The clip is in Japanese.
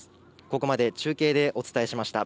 ここまで中継でお伝えしました。